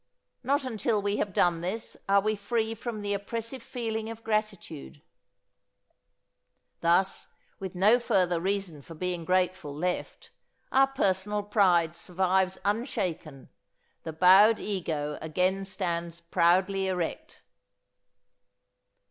Not until we have done this are we free from the oppressive feeling of gratitude. Thus, with no further reason for being grateful left, our personal pride survives unshaken, the bowed ego again stands proudly erect.